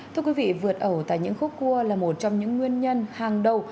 thưa quý vị vượt ẩu tại những khu quốc cua là một trong những nguyên nhân hàng đầu